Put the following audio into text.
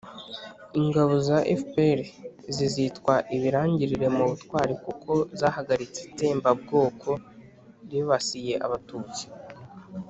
ingabo za fpr zizitwa ibirangirire mu butwari kuko zahagaritse itsembabwoko ribasiye abatutsi